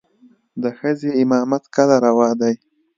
د ښځې امامت کله روا دى.